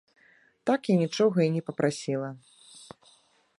Так я нічога і не папрасіла.